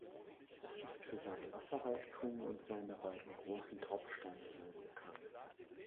Es ist für seinen Wasserreichtum und seine beiden großen Tropfsteinhöhlen bekannt.